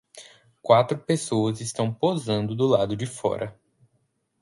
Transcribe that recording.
Quatro pessoas estão posando do lado de fora.